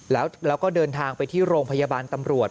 แล้วก็เดินทางไปที่โรงพยาบาลตำรวจ